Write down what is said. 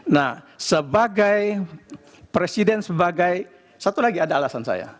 nah sebagai presiden sebagai satu lagi ada alasan saya